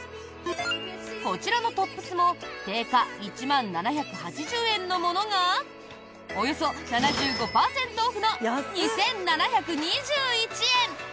こちらのトップスも定価１万７８０円のものがおよそ７５％オフの２７２１円！